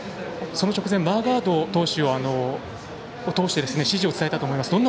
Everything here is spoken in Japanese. その直前マーガード投手を通して指示を伝えたと思います。